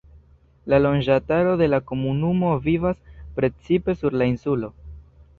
La loĝantaro de la komunumo vivas precipe sur la insulo.